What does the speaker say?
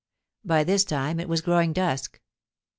By this time it was growing dusk.